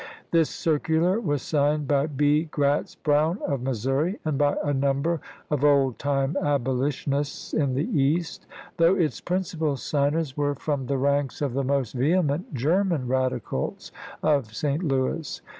This circular was signed by B. Gratz Brown of Missouri and by a number of old time abolitionists in the East, though its principal signers were from the ranks of the most vehement German radicals of St. Louis.